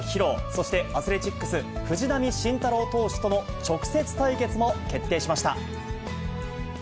そしてアスレチックス、藤浪晋太郎投手との直接対決も決定しました。